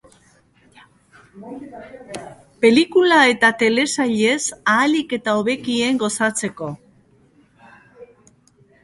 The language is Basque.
Pelikula eta telesailez ahalik eta hobekien gozatzeko.